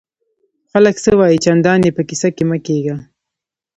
خلک څه وایي؟ چندان ئې په کیسه کي مه کېږه!